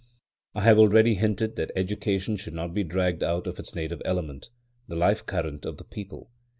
I have already hinted that Education should not be dragged out of its native element, the life current of the people.